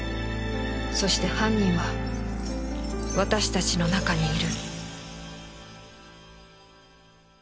そして犯人は私たちの中にいる